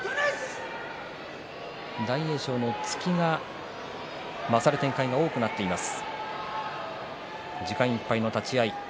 大栄翔の突きが、勝る展開が多くなっています。